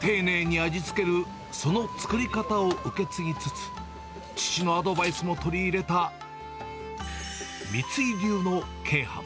丁寧に味付けるその作り方を受け継ぎつつ、父のアドバイスも取り入れた、三井流の鶏飯。